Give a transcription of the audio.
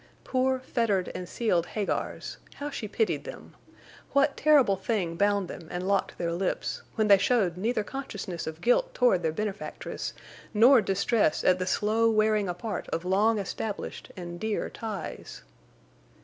Poor, fettered, and sealed Hagars, how she pitied them! What terrible thing bound them and locked their lips, when they showed neither consciousness of guilt toward their benefactress nor distress at the slow wearing apart of long established and dear ties?